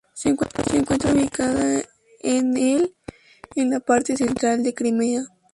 Se encuentra ubicada en el en la parte central de Crimea.